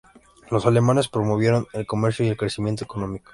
Los alemanes promovieron el comercio y el crecimiento económico.